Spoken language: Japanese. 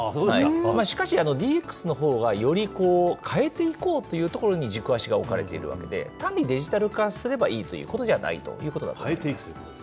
しかし、ＤＸのほうは、より変えていこうというところに軸足が置かれているわけで、単にデジタル化すればいいということじゃないということなんです。